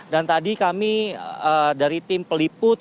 dan tadi kami dari tim peliput